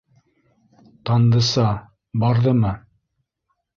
Тандыса... барҙымы?